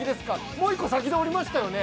もう一個先で降りましたよね？